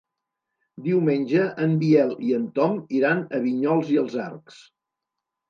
Diumenge en Biel i en Tom iran a Vinyols i els Arcs.